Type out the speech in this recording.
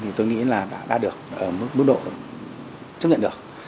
thì tôi nghĩ là đã đạt được mức độ chấp nhận được